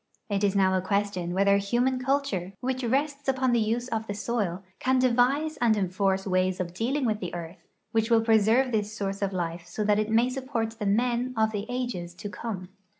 It is now a question whether human culture, which rests upon the use of the soil, can devise and enforce wa}'S of dealing with the earth which will preserve this source of life so that it may siq)j)ort the men of the ages to come.